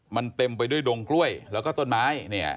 มันเต็มไปด้วยดงกล้วยแล้วก็ต้นไม้เนี่ย